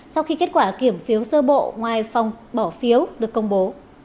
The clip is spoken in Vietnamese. sau khi kết quả kiểm phiếu sơ bộ ngoài phòng bỏ phiếu được công bố